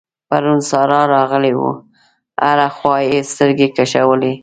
پرون سارا راغلې وه؛ هره خوا يې سترګې کشولې.